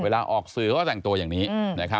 เวลาออกสื่อก็แต่งตัวอย่างนี้